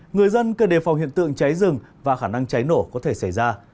người dân cần đề phòng hiện tượng cháy rừng và khả năng cháy nổ có thể xảy ra